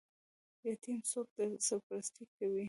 یتیم څوک سرپرستي کوي؟